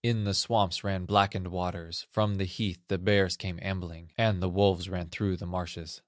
In the swamps ran blackened waters, From the heath the bears came ambling, And the wolves ran through the marshes.